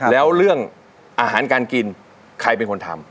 แล้วเรื่องอาหารการกินใครเป็นคนทำ